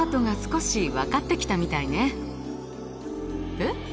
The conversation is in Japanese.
えっ？